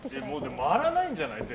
回らないんじゃない？